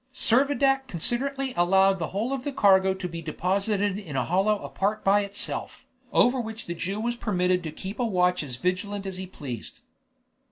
Servadac considerately allowed the whole of the cargo to be deposited in a hollow apart by itself, over which the Jew was permitted to keep a watch as vigilant as he pleased.